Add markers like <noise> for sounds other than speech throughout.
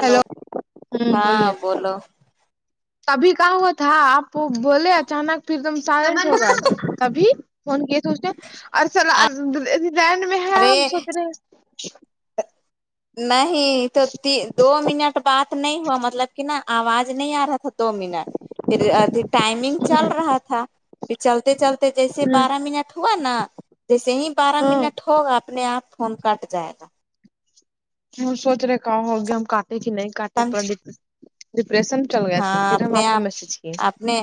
hello ہوں ہاں بولیے بولو تبھی کہاں ہوا تھا آپ وہ بولے اچانک پھر ایک دم سار ہو گئے تبھی فون کی سوچتے ار سل ارسلا ارس زہن میں ہے ارے ہم سوچ رہے ہیں نہیں تو دو منٹ بات نہیں ہوا مطلب کہ نا آواز نہیں آ رہا تھا دو منٹ پھر اھی ٹائمنگ چل ہیں رہا تھا پھر چلتے چلتے جیسے بارہ منٹ ہوا نا جیسے ہی بارہ ہاں منٹ ہوگا اپنے آپ فون کاٹ جائے گا ہ سوچ رہے کہ ہوگے ہم کاٹے کہ نہیں کاٹے پر سمجھ ڈی ڈپریشن چل گئے تھے ہاں پھر ہم اپنے آپ کو میسج کیے اپنے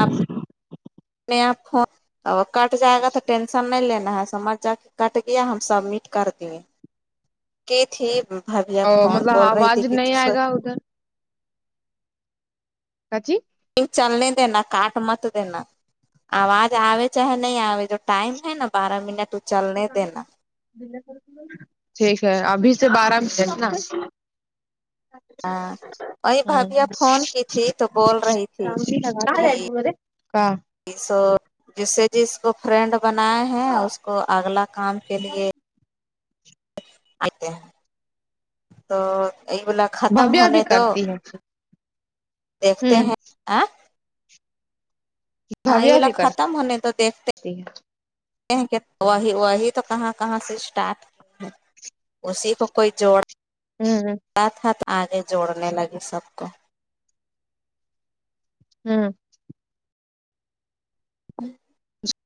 آپ آپ کٹ جائے گا تھا ٹین سممے لینا ہے سمجھ جا کے کٹ گیا ہم سبمٹ کر دیے کی تھی بھابیا اور خون مطلب بول رہی تھی آواز کہ نہیں آئے گا ادھر ہاجی چلنے دینا کاٹ مت دینا آواز آے چاہے نہیں آے جو ٹائم ہے نا بارہ منٹ ا چلنے دینا ٹھیک ہے ابھی سے بارہ میں نا ہاں وہی ہ بھابھی آپ فون کی تھی تو بول رہی تھی کہ کا سو جسے جس کو فرینڈ بناائے ہیں اس کو اگلا کام کے لیے ہیں تو یہ گلا ختم بھویا بھی ہونے تو کرتی ہے دیکھتے ہ ہیں اے ہاں یہ بھویا بلا بھی کرتی ختم ہونے تو دیکھتے ہے کہی واہی واہی تو کہاں کہاں سے اسٹارٹ کی ہے اسی کو کوئی جوڑ ہ ساتھ ہاتھ آگے جوڑنے لگی سب کو ہوں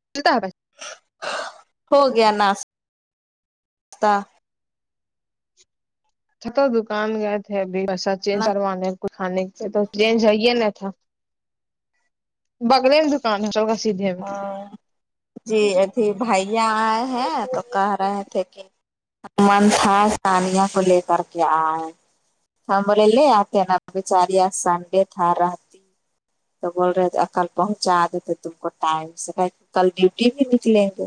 <unintelligible> ہو گیا ناستا تھ تو دکان گئے تھے ابھی پیسا چینج کروانے کھانے تو ریین جے نہ تھا بکلے <unintelligible> ہاں جی اتھی بھائیا ائے ہیں تو کہ رہے تھے کہ من تھا ثانیہ کو لے کر کے ائیں ہم بولے لے اتے ہیں نا بیچاری سنڈے تھا رہتی تو بول رہے تھے کل پہنچا دیتے تم کو ٹائم سے پہلے کہ کل ڈیوٹی بھی نکلیں گے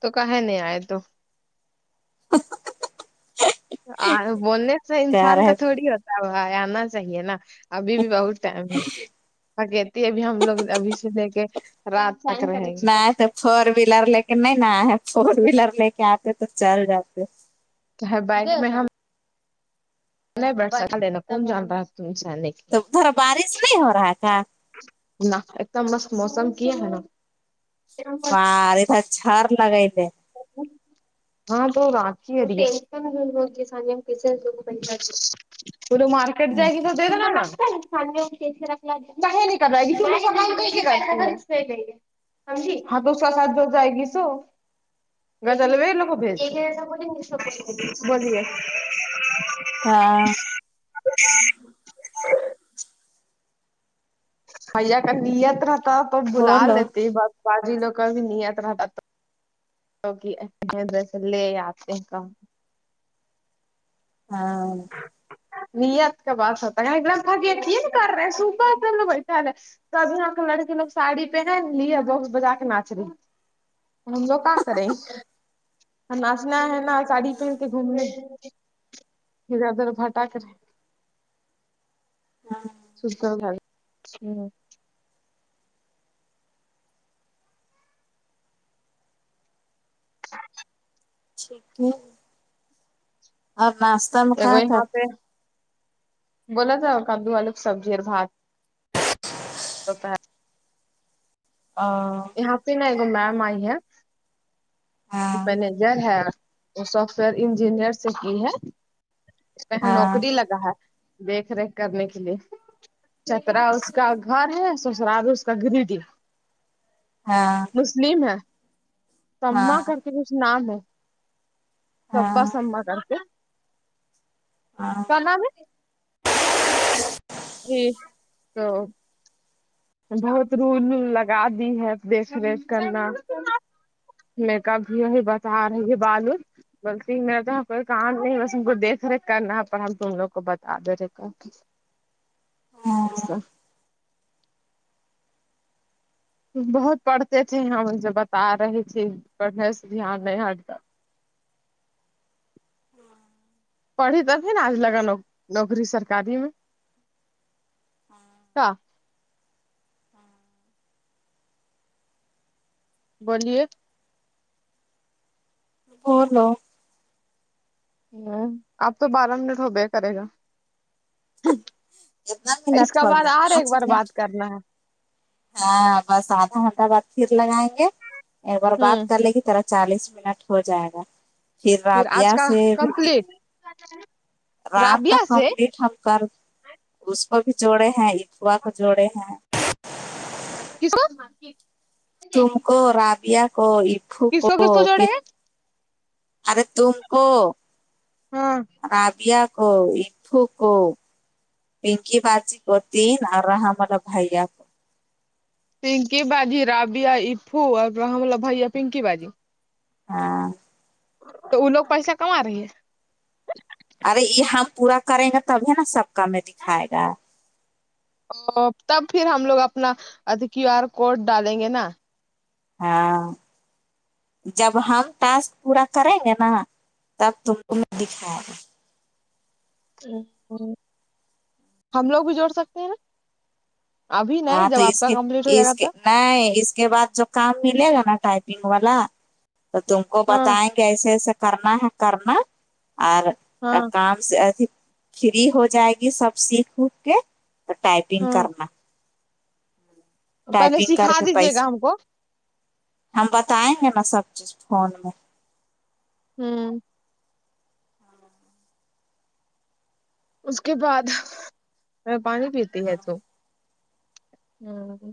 تو کاہے نہیں ائے تو ا بولنے سے کہہ انسان کا رہے تھوڑی ہوتا ہے بھائی انا چاہیے نا ابھی بھی بہت ٹائم ہے کہتی ہے ابھی ہم لوگ ابھی سے دیکھے رات تک رہیں گے نہیں تو فور ویلر لے کے نہیں نا ا ہے فور ویلر لے کے اتے تو چل جاتے بائک میں ہم <unintelligible> تو ا تھرا بارش نہیں ہو رہا کا نہ ایک دم مست موسم کی ہے نا بار تھا چھار لگائے تھے <inaudible> ہاں تو رات کی <inaudible> وہ تو مارکیٹ جائے گی تو د د ن کر <inaudible> سمج ہاں تو اس کا ساتھ با جائے گی سو <unintelligible> ہاں بھیا کا نیت رہتا تو بلا بولو لیتی بس باجی کا بھی نیت رہتا تو <unintelligible> ہاں نیت کا بات ہوتا ہے ایک دمکی کر رہے ہیں صبح <unintelligible> تب یہاں کا لڑکی لوگ ساڑی پہن لیے بہت بجا کے ناچ رہی ہے ہم لوگ کہ کریں اب ناچ نہ ہے ساڑی پہنتے گھومنےد ادھرھٹا کرے <inaudible> <unintelligible> <inaudible> اور ناشتہ میں کیا جگوئی ہاں پہ کیا بولا جاؤ کادو آلو سبزی اور بھات <unintelligible> <inaudible> یہاں پہ نا ایکگو میم ا ئی ہے ہاں مینیجر ہے وہ سافٹ ویئر انجینئر سے کی ہے اس میں یہاں ہاں نوکری لگا ہے دیکھ ریکھ کرنے کے لیے چترا اس کا گھر ہے سسرال اس کا گرڈ ہے ہاں مسلم ہے تمما کر کے کچھ نام ہے سبا ہاں سما کر کے ہاں <unintelligible> جی <unintelligible> بہت رول لگا دی ہے دیکھ ریک کرنا میں کب وہی بتا رہی بالو بلکہ میرا تو یہ کوئی کام نہیں بس ہم کو دیکھ ریک کرنا ہے پر ہم تم لوگ کو بتا دے رہے ایسا بہت پڑھتے تھے ہم سے بتا رہی تھے پڑھنے سے دھیان نہیں ہٹتا پڑھی تبھی ن آج لگا ن نوکری سرکاری میں کیا بولیے اور لو ہ آپ تو بارہ منٹ ہو بے کرے گا ہم کتنا اس منٹ کا ہو بعد گیا آ رہا ہے ایک پانچ بار منٹ بات کرنا ہے ہاں بس آدھا گھنٹہ بعد پھر لگائیں گے ایک بار بات ہوں کر لے گی طرح چالیس منٹ ہو جائے گا پھر آج رابیا کا سے کمپلیٹ <inaudible> رات تک رابعہ سے کمپلیٹ ہم کر اس کو بھی جوڑے ہیں اتوا کو جوڑے ہیں <unintelligible> تم کو رابعہ کو افو کس کو کس پ جوڑے ہیں ارے تم کو ہاں رابیہ کو افو کو پنکی باجی ہوتین نا رہا مطلب بھیا کو پنکی بجی رابیا افو اور رحملہ بھیا پنکی باجی ہاں تو وہ لوگ پیسہ کما رہے ہیں ارے یہ ہم پورا کریں گے تب ہے نا سب کام میں دکھائے گا او تب پھر ہم لوگ اپنا ادھی کیو آر کوڈ ڈالیں گے نا ہاں جب ہم ٹاسک پورا کریں گے نا تب تم کو میں دکھایاں ا ہم لوگ بھی جوڑ سکتے ہیں نا ابھی نہیں ہاں جب تو آپ اس کا کے کمپلیٹ ہو جائے گا اس کے تو نہیں اس کے بعد جو کام ملے گا نا ٹائپنگ والا تو تم کو ہاں بتائیں کے ایسے ایسے کرنا ہے کرنا اور ہاں کام سے ادھی فری ہو جائے گی سب سیکھ اکھ کے تو ٹائپنگ ہاں کرنا پہلے ٹائپنگ کر سکھا کے دیجیے پیس گا ہم کو ہم بتیں گے نا سب چیز فون میں ہوں اس کے بعد میں پانی پیتی ہے تو ہوں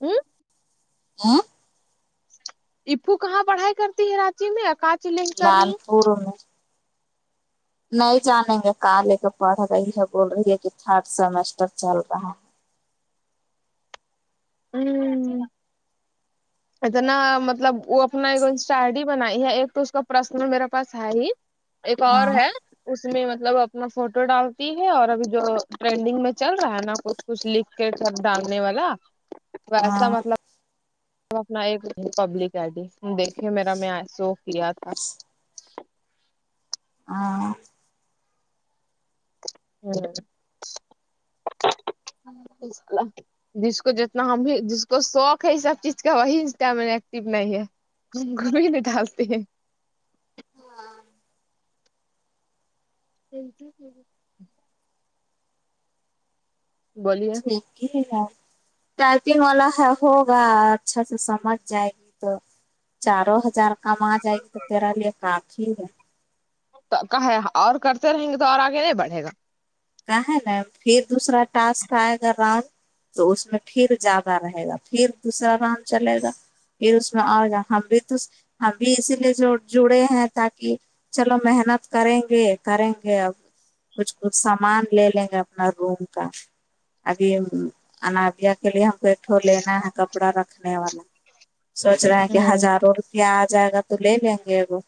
ہوں ا ایفو کہاں پڑھائی کرتی ہے راچی میں اکا لال پور میں نہیں جانیں گے کالے کا پڑھا رہی یہ بول رہی ہے کہ تھرڈ سیمیسٹر چل رہا ہے ہوں اتنا مطلب وہ اپنا ایک انسٹا آئی ڈی بنائی ہے ایک تو اس کا پرسنل میرے پاس ہے ہی ایک اور ہے اس میں مطلب اپنا فوٹو ڈالتی ہے اور ابھی جو ٹرینڈنگ میں چل رہا ہے نا کچھ کچھ لکھ کے سب ڈاننے والا ویسا ہاں مطلب اپنا ایک ریپبلک آئی ڈی دیکھیے میرا میں ایسو کیا تھا ہاں <unintelligible> جس کو جتنا ہم بھی جس کو شوق ہے یہ سب چیز کا وہی انسٹا میں ایکٹیو نہیں ہے گھوم گھوم نہیں ڈالتے ہیں <unintelligible> بولیے یک ہی ہیں یار ٹائپنگ والا ہے ہوگا اچھا سے سمجھ جائے گی تو چاروں ہزار کام آ جائے گی تو تیرا لیے کافی ہے کہ کہا اور کرتے رہیں گے تو اور آگے نہیں بڑھے گا کہ ہے نا پھر دوسرا ٹاسک آئے گا راؤنڈ تو اس میں پھر زیادہ رہے گا پھر دوسرا رام چلے گا یہ اس میں آییگا ہم بھی تو ہم بھی اسی لیے جڑے ہیں تاکہ چلو محنت کریں گے کریں گے اب کچھ کچھ سم مان لیا للہنگا اپنا روم کا ابھی ہم انابیہ کے لیے ہم کو پھر لینا ہے کپڑا رکھنے والا سوچ رہا ہے کہ ہ ہزاروں روپ کیا آ جائے گا تو لے لیں گے اب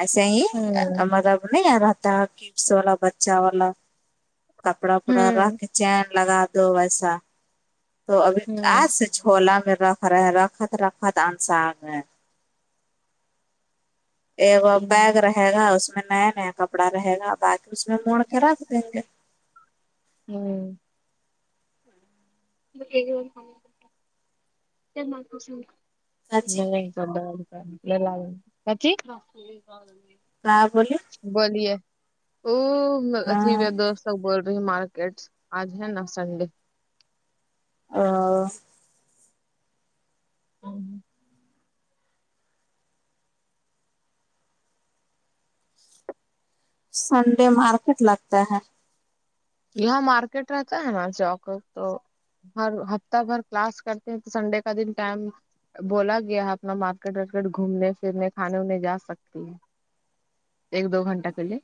ایسے ہی نہیں رہتا کڈس والا بچہ والا کپڑا وپڑا ہ رکھ چین لگا دو ویسا تو ابھی آ ہ سک چھولا میں رکھ <unintelligible> انصار میں ایک بیگ رہے گا اس میں نیا نیا کپڑا رہے گا باقی اس میں موڑ کے رکھ دیں گے ہوں <unintelligible> چاچی <unintelligible> ہاں بولیے بولیے او عجیب ہاں ہے دوست وہ بول رہی مارکیٹس آج ہے نا سنڈے ا ہ ہ سنڈے مارکیٹ لگتا ہے یہاں مارکیٹ رہتا ہے نا چوک تو ہر ہفتہ بھر کلاس کرتے ہیں تو سنڈے کا دن ٹائم بولا گیا اپنا مارکیٹ وارکیٹ گھومنے پھرنے کھانے می جا سکتی ہو ایک دو گنٹہ پہلے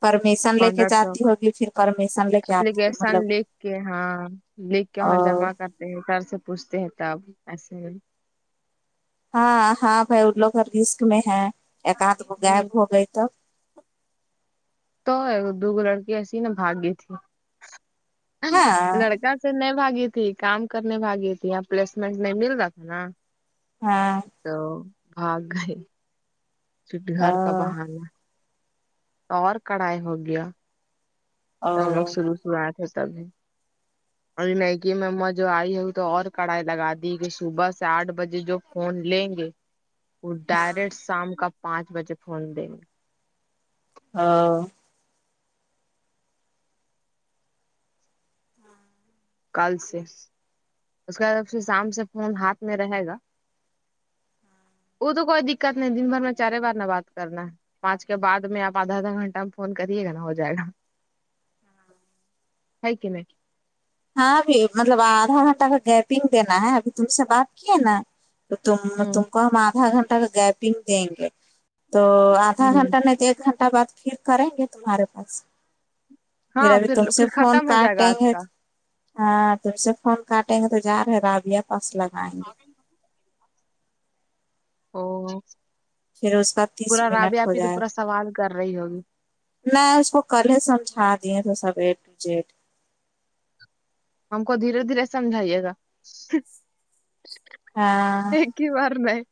پرمیشن لے کے مڈرا چوک جاتی ہوگی پھر پرمیشن لے کے اپ نے آتی ہے گےسان مطلب لییک کے ہاں لکھ کے وہاں اور جمع کرتے ہیں سر سے پوچھتے ہیں تب ایسے ہاں ہاں بھائی وہ لوگ رسک میں ہیں ایک آدھ گو گائب ہو گئی تو تو دو لڑکی ایسی نا بھاگی تھی ہاں لڑکا سے نہیں بھاگی تھی کام کرنے بھاگی تھی یا پلیسمنٹ نئی مل رہا تھا نا ہاں تو بھاگ گئے چٹگھر کا او بہانا اور کڑھائی ہو گیا ہم لوگ او شروع شروع اہے تھےتبھی اور میکے م ما جو آئی ہے تو اور کڑھائی لگا دی کہ صبح سے آٹھ بجے جو فون لیں گے وہ ہاں ڈائریکٹ شام کا پانچ بجے فون دیں گے ہاں کل سے ا کا پھر شام سے فون ہاتھ میں رھیگا وہ تو کوئی دقت نہیں دن بھر میں چارے بار نہ بات کرنا پانچ کے بعد میں آپ آدھا آدھا گنٹہ میں فون کریے گا نہ ہو جائے گا ہے ک نی ہاں ابھی مطلب آدھا گھنٹہ کا گیپنگ دینا ہے ابھی تم سے بات کیے نا تو تم تم ہوں کو ہم آدھا گھنٹہ کا گیپنگ دیں گے تو آدھا ہوں گھنٹہ نہیں تو ایک گھنٹہ بعد پھر کریں گے تمہارے پاس پھر ہاں ابھی تم سے پھر فون ختم ہو جائے گا کاٹیں آج گے کا ہاں تم سے فون کاٹیں گے تو جا رہے رابیا پس لگائیں گے او پھر اس کا تیس پورا رابیہ منٹ ہو آپی تو جائے پورا سوال کر رہی ہوگی گا، میں اس کو کل ہی سمجھا دیے تھے سب ایڈ ٹو جیڈ ہم کو دھیرے دھیرے سمجھائیے گا ہاں ک بار نہیں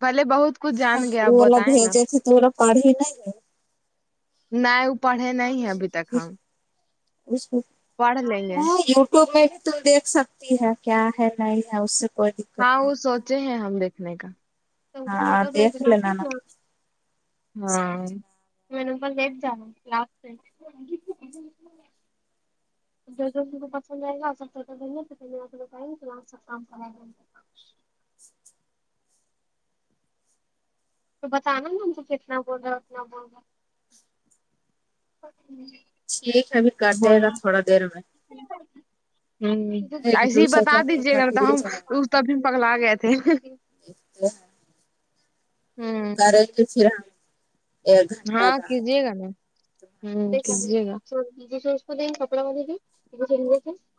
پہلے بہت کچھ ہاں جان گیا آپ وہ لا بتائیں بھیج نا تھدا تو وہ پاڈی ہی نہیں نہیں وہ پڑھے نہیں ہے ابھی تک گئے ہم اس کو پاڑ لے لے ہاں یوٹیوب میں بھی ت دیکھ سکتی ہے کیا ہے نہیں ہے اس سے کوئی ہاں نہیں وہ سوچے ہیں ہم دیکھنے کا ہاں فوٹو دیکھ بھیجنا کی لینا نا کیا ہاں سمجھ میں آ میں نے پ لٹ جا <inaudible> لاس جو کو پسند آئے گا سبیںےھر لگیں گے تو سب کام کرائے گا تو بتانا ن ہم کو کتنا بول رہا اتنا بول رہا ٹھیک ہےبھر کٹے گا تھوڑا دیر میں ہوں ایک ایسے دو ہی بتا سیکنڈ میں دیجیے گا کٹ تو ہی ہم جائے گا تبھی ہم پکلا گئے تھے ہوں کرینگے شیر ہاں کیجیے گا نا ہ کیجے گا تو کپڑا <unintelligible>